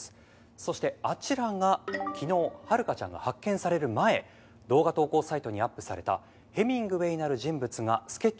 「そしてあちらが昨日遥香ちゃんが発見される前動画投稿サイトにアップされたヘミングウェイなる人物がスケッチブックに描いた絵です」